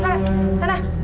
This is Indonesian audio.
ternyata ini sepatunya pake tuh